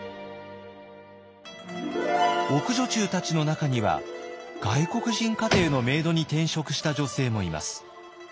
奥女中たちの中には外国人家庭のメイドに転職した女性もいます。